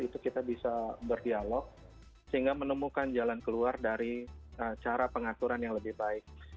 itu kita bisa berdialog sehingga menemukan jalan keluar dari cara pengaturan yang lebih baik